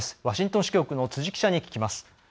ワシントン支局の辻記者に聞きます。